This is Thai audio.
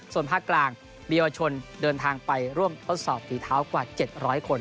ส่วนภาคกลางมีเยาวชนเดินทางไปร่วมทดสอบฝีเท้ากว่า๗๐๐คน